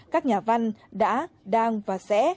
các nhà văn đã đang và sẽ